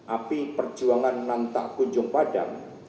api perjuangan nantak kunjung padang